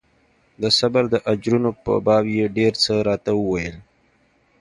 د صبر د اجرونو په باب يې ډېر څه راته وويل.